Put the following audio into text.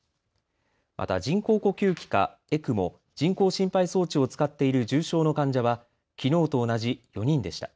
また人工呼吸器かＥＣＭＯ・人工心肺装置を使っている重症の患者はきのうと同じ４人でした。